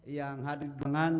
yang hadir di pulangan